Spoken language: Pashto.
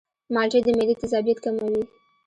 مالټې د معدې تیزابیت کموي.